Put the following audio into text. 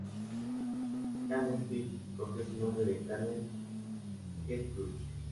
Canned Heat cogió su nombre de "Canned Heat Blues".